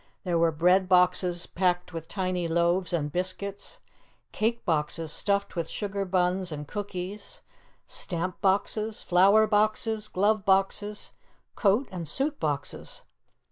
There were bread boxes packed with tiny loaves and biscuits, cake boxes stuffed with sugar buns and cookies, stamp boxes, flower boxes, glove boxes, coat and suit boxes.